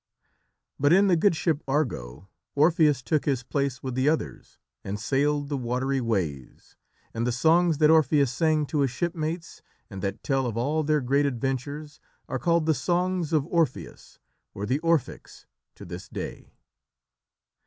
" But in the good ship Argo, Orpheus took his place with the others and sailed the watery ways, and the songs that Orpheus sang to his shipmates and that tell of all their great adventures are called the Songs of Orpheus, or the Orphics, to this day.